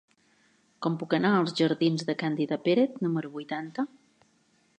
Com puc anar als jardins de Càndida Pérez número vuitanta?